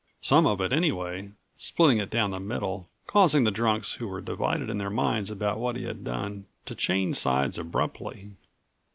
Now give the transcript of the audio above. Some of it anyway, splitting it down the middle, causing the drunks who were divided in their minds about what he had done to change sides abruptly.